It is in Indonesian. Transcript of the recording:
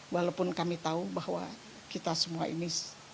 walaupun kami tahu bahwa kita semua ini